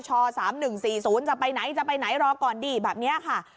๓๑๔๐จะไปไหนจะไปไหนรอก่อนดีแบบนี้ค่ะ